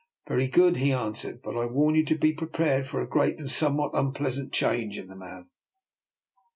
" Very good," he answered, " but I warn you to be prepared for a great and somewhat unpleasant change in the man."